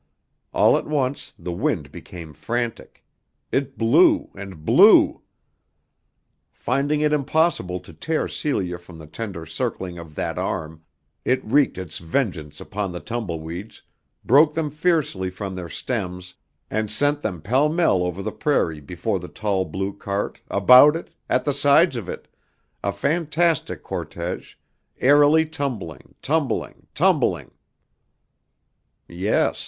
All at once the wind became frantic. It blew and blew! Finding it impossible to tear Celia from the tender circling of that arm, it wreaked its vengeance upon the tumbleweeds, broke them fiercely from their stems, and sent them pell mell over the prairie before the tall blue cart, about it, at the sides of it, a fantastic cortege, airily tumbling, tumbling, tumbling! Yes.